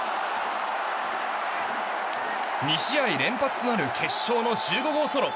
２試合連発となる決勝の１５号ソロ。